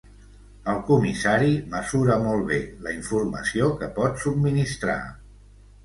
El comissari mesura molt bé la informació que pot subministrar.